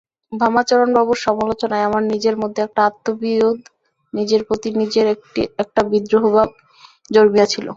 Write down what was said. বামাচরণবাবুর সমালোচনায় আমার নিজের মধ্যে একটা আত্মবিরোধ, নিজের প্রতি নিজের একটা বিদ্রোহভাব জন্মিয়াছিল।